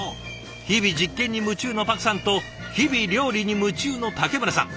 日々実験に夢中のパクさんと日々料理に夢中の竹村さん。